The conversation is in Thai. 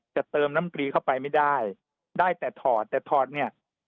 เติมน้ำกรีเข้าไปไม่ได้ได้แต่ถอดแต่ถอดเนี่ย